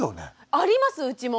ありますうちも。